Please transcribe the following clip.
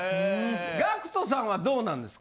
ＧＡＣＫＴさんはどうなんですか？